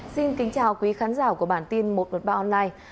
xin kính chào quý khán giả của bản tin một trăm một mươi ba online